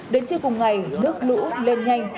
đến chiều cùng ngày nước lũ lên nhanh